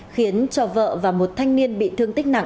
khiến cho vợ và một thanh niên bị thương tích nặng